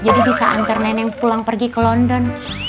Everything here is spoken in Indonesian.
jadi bisa antar neneng pulang pergi ke london